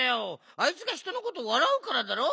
あいつがひとのことわらうからだろ。